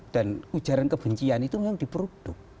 dan ujaran kebencian itu yang diproduk